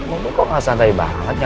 ini buku kok gak santai banget ya